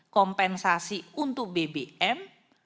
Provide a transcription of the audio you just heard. kompensasi untuk bbm